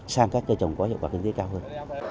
sang các cây trồng có hiệu quả kinh tế cao hơn